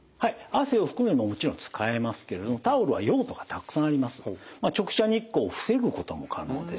汗をふくのにももちろん使えますけれどもタオルは用途がたくさんあります。